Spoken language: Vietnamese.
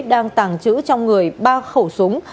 đang tàng trữ trong người ba khẩu súng